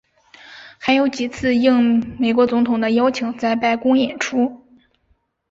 还有几次应美国总统的邀请在白宫演出。